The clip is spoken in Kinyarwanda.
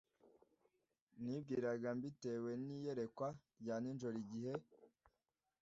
Nibwiraga mbitewe n iyerekwa rya nijoro Igihe